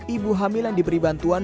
ibu hamil yang diberi bantuan